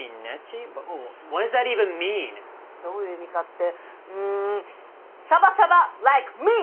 どういう意味かってうんサバサバライクミー！